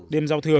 đêm giao thừa